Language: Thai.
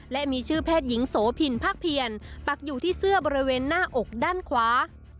และมีชื่อแพทย์หญิงโสพินภาคเพียรปักอยู่ที่เสื้อบริเวณหน้าอกด้านขวา